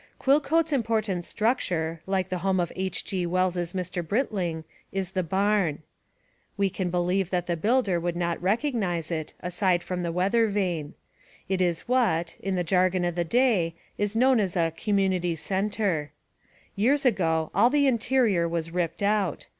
Quillcote's important structure, like the home of H. G. Wells's Mr. Britling, is the barn. We can be lieve that the builder would not recognize it, aside from the weather vane. It is what, in the jargon of the day, is known as a "community center." Years ago all the interior was ripped out.